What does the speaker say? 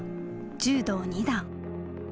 柔道二段。